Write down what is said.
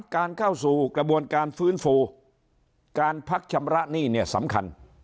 การเข้าสู่กระบวนการฟื้นฟูการพักชำระหนี้เนี่ยสำคัญ